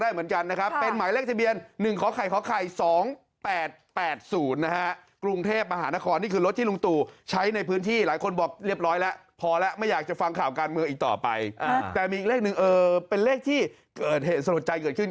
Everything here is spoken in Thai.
เหมือนกันนะครับเป็นหมายเลขทะเบียน๑ขอไข่ขอไข่๒๘๘๐นะฮะกรุงเทพมหานครนี่คือรถที่ลุงตู่ใช้ในพื้นที่หลายคนบอกเรียบร้อยแล้วพอแล้วไม่อยากจะฟังข่าวการเมืองอีกต่อไปแต่มีอีกเลขหนึ่งเออเป็นเลขที่เกิดเหตุสลดใจเกิดขึ้น